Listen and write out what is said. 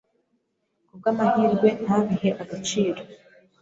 ku bw’amahirwe ntabihe agaciro